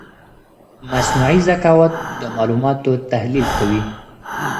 مصنوعي ذکاوت د معلوماتو تحلیل کوي.